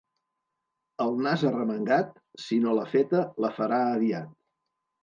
El nas arremangat si no l'ha feta la farà aviat.